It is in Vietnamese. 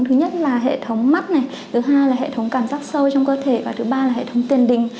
thứ nhất là hệ thống mắt này thứ hai là hệ thống cảm giác sâu trong cơ thể và thứ ba là hệ thống tiền đình